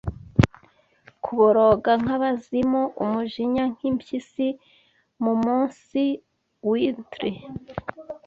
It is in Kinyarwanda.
Kuboroga nkabazimu, umujinya nkimpyisi Mumunsi wintry